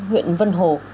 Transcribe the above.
huyện vân hổ